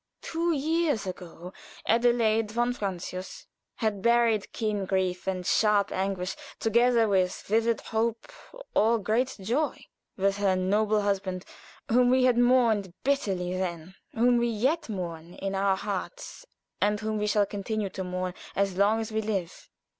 Two years ago Adelaide von Francius had buried keen grief and sharp anguish, together with vivid hope or great joy, with her noble husband, whom we had mourned bitterly then, whom we yet mourn in our hearts, and whom we shall continue to mourn as long as we live.